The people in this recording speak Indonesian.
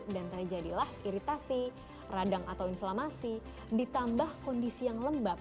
dan terjadilah iritasi radang atau inflamasi ditambah kondisi yang lembab